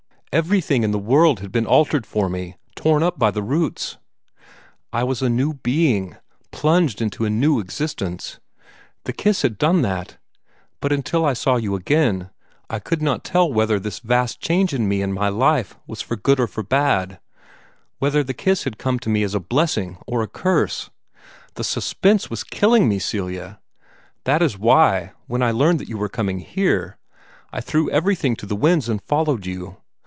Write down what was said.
Everything in the world had been altered for me, torn up by the roots. I was a new being, plunged into a new existence. The kiss had done that. But until saw you again, I could not tell whether this vast change in me and my life was for good or for bad whether the kiss had come to me as a blessing or a curse. The suspense was killing me, Celia! That is why, when I learned that you were coming here, I threw everything to the winds and followed you.